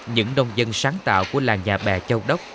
những nông dân sáng tạo của làng nhà bè châu đốc